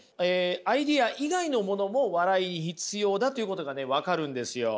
アイデア以外のものも笑いに必要だということがね分かるんですよ。